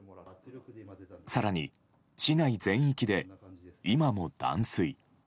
更に、市内全域で今も断水。